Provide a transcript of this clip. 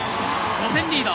５点リード！